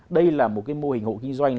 đây là một cái mô hình hộ kinh doanh